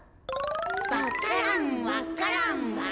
「わか蘭わか蘭わか蘭」